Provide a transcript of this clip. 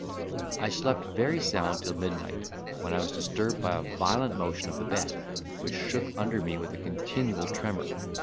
I slept very sound till midnight when I was disturbed by a violent motion of the bed, which shook under me with a continual tremor.